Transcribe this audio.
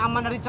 ya makasih ya